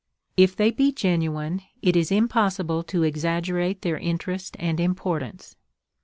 If they be genuine, it is impossible to exaggerate their interest and importance.